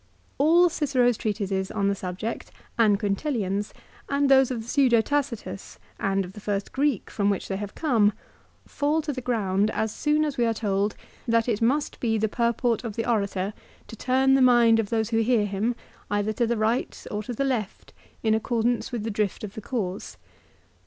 All Cicero's treatises on the sub ject, and Quintilian's, and those of the pseudo Tacitus, and of the first Greek from which they have come, fall to the ground as soon as we are told that it must be the purport of the orator to turn the mind of those who hear him either to the right or to the left, in accordance with the drift of the cause.